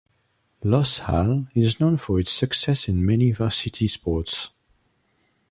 Los Al is known for its success in many Varsity sports.